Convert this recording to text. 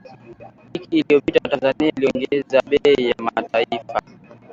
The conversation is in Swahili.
Wiki iliyopita, Tanzania iliongeza bei ya mafuta